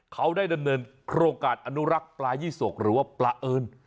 เขาได้ดำเนินโครงการอนุรักษ์ปลายี่สกหรือว่าปลาเอิญ